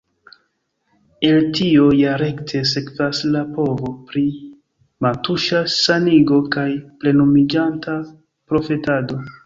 El tio ja rekte sekvas la povo pri mantuŝa sanigo kaj plenumiĝanta profetado.